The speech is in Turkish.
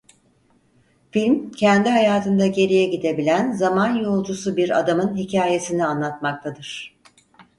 Film kendi hayatında geriye gidebilen zaman yolcusu bir adamın hikâyesini anlatmaktadır.